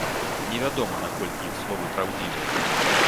Невядома, наколькі іх словы праўдзівыя.